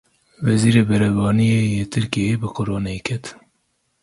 Wezîrê Berevaniyê yê Tirkiyeyê bi Coronayê ket.